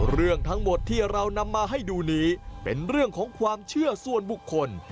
เรื่องทั้งหมดที่เรานำมาให้ดูนี้เป็นเรื่องของความเชื่อส่วนบุคคล